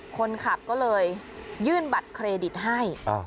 คนขับก็เลยยื่นบัตรเครดิตให้